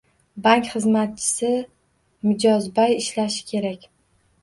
Bank xizmatchisi mijozbay ishlashi kerak